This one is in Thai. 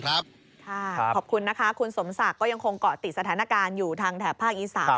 ขอบคุณนะคะคุณสมศักดิ์ก็ยังคงเกาะติดสถานการณ์อยู่ทางแถบภาคอีสาน